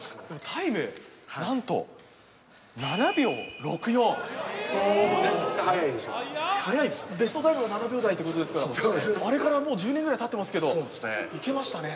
タイム何と７秒６４ベストタイムが７秒台っていうことですからあれからもう１０年ぐらいたってますけどいけましたね